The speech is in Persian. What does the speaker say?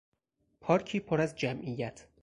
پارکی پر از جمعیت